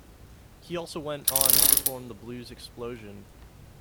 He also went on to form the Blues Explosion.